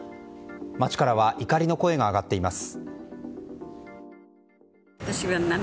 街からは怒りの声が上がっています。